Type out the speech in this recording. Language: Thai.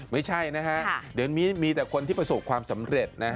ไม่ใช่นะฮะเดี๋ยวนี้มีแต่คนที่ประสบความสำเร็จนะ